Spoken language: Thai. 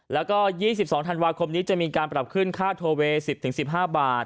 และ๒๒ธันวาคมจะมีการประดับขึ้นค่าโทเว๑๐๑๕บาท